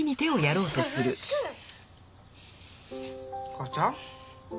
母ちゃん